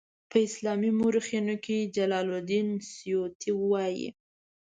په اسلامي مورخینو کې جلال الدین سیوطي وایي.